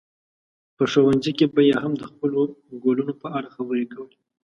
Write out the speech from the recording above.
په ښوونځي کې به یې هم د خپلو ګلونو په اړه خبرې کولې.